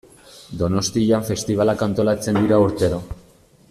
Donostian festibalak antolatzen dira urtero.